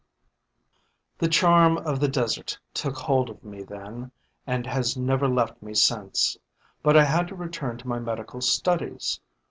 The charm of the desert took hold of me then and has never left me since. But I had to return to my medical studies.